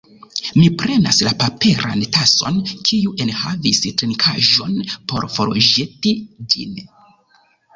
Mi prenas la paperan tason, kiu enhavis trinkaĵon, por forĵeti ĝin.